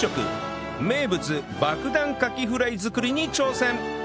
名物爆弾カキフライ作りに挑戦！